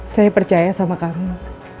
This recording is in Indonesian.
saya percaya sama kamu